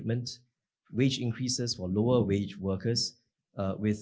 peningkatan wajah untuk pekerja yang berusaha yang rendah